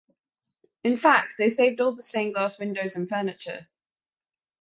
In fact they saved all the stained glass windows and furniture.